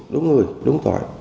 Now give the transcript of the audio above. đúng người đúng tội